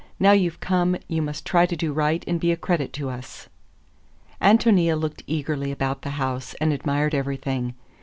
Now you've come, you must try to do right and be a credit to us." Ántonia looked eagerly about the house and admired everything.